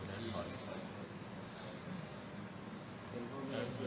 เดินเพื่อถอย